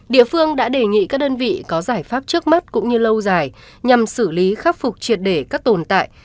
địa phương đã đề nghị các đơn vị có giải pháp trước mắt cũng như lâu dài nhằm xử lý khắc phục triệt để các tồn tại